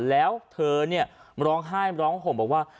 แล้วเธอเนี่ยร้องไห้ร้องห่มบอกว่า